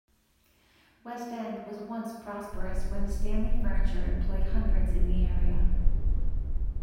West End was once prosperous when Stanley Furniture employed hundreds in the area.